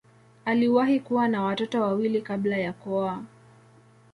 Aliwahi kuwa na watoto wawili kabla ya kuoa.